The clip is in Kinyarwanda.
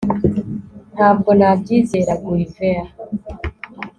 Ntabwo nabyizera Gulliver